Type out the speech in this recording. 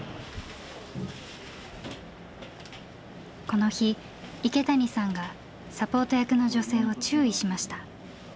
この日池谷さんがサポート役の女性を注意しました。